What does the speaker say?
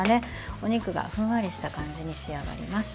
お肉がふんわりした感じに仕上がります。